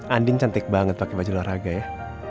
andin cantik banget pake baju luar raga ya